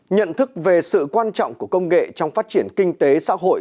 nhận thức về sự quan trọng của công nghệ trong phát triển kinh tế xã hội